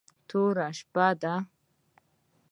توره شپه ده .